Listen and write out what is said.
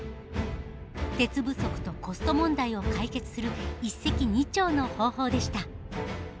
鉄不足とコスト問題を解決する一石二鳥の方法でした。